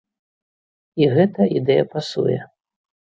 І гэта ідэя пасуе.